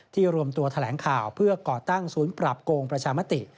รวมตัวแถลงข่าวเพื่อก่อตั้งศูนย์ปรับโกงประชามติ